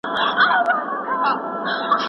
دا ستاسو خپلواکي ښيي.